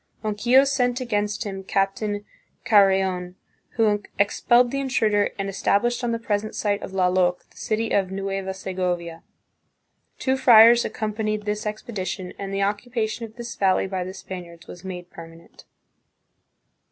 Ronquillo sent against him Captain Carreon, who expelled the intruder and established on the present site of Lallok the city of Nueva Segovia. Two friars accompanied this expedition and the occupation of this valley by the Span iards was made permanent.